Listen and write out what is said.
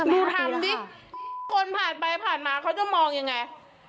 ดูทำดิคนผ่านไปผ่านมาเขาจะมองยังไง